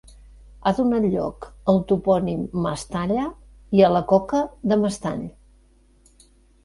Ha donat lloc al topònim Mestalla i a la coca de mestall.